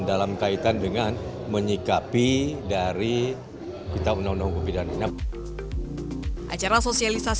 dalam kaitan dengan menyikapi dari kita menanggung hukum pidana